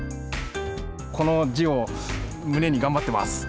この字を胸に頑張ってます。